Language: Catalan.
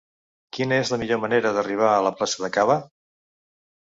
Quina és la millor manera d'arribar a la plaça de Caba?